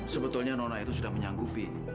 sebetulnya nona itu sudah menyanggupi